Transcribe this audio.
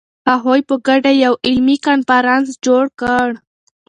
هغوی په ګډه یو علمي کنفرانس جوړ کړ.